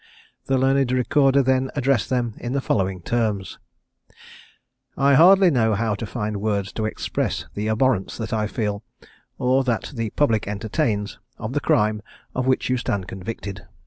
The learned Recorder then addressed them in the following terms: "I hardly know how to find words to express the abhorrence that I feel, or that the public entertains, of the crime of which you stand convicted.